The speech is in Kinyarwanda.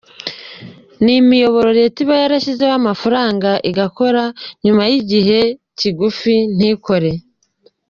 Ni imiyoboro Leta iba yarashyizemo amafaranga igakora, nyuma y’igihe kigufi ntikore.